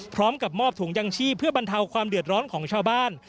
พร้อมกับมอบถุงยังชีพเพื่อบรรเทาความเดือดร้อนของชาวบ้าน